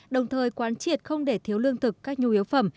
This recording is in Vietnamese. đồng thời quán triệt không để thiếu lương thực các nhu yếu phẩm